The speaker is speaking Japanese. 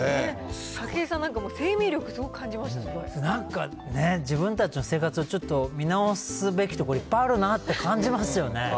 武井さんなんか、もう生命力すごなんか、ね、自分たちの生活をちょっと見直すべきところ、いっぱいあるなって感じますよね。